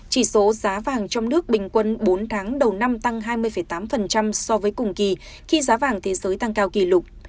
chỉ số giá vàng trong nước bình quân bốn tháng đầu năm tăng hai mươi tám so với cùng kỳ khi giá vàng thế giới tăng cao kỷ lục